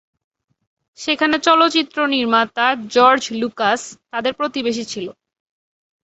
সেখানে চলচ্চিত্র নির্মাতা জর্জ লুকাস তাদের প্রতিবেশী ছিল।